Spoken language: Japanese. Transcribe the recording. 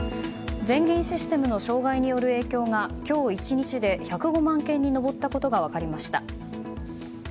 全銀システムの障害による影響が今日１日で１０５万件に上ったことが分かりました。